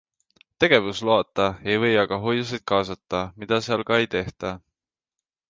Tegevusloata ei või aga hoiuseid kaasata, mida seal ka ei tehta.